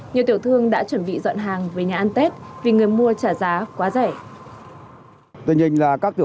nhiều tiểu thương đã chuẩn bị dọn hàng về nhà ăn tết vì người mua trả giá quá rẻ